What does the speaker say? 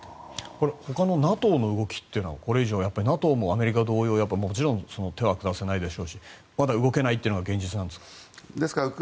ほかのＮＡＴＯの動きというのはこれ以上アメリカ同様もちろん手は下せないでしょうしまだ動けないというのが現実なんですか？